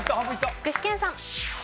具志堅さん。